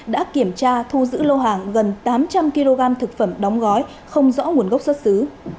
đã kiểm tra thu giữ lô hàng gần tám trăm linh kg thực phẩm đóng gói không rõ nguồn gốc xuất xứ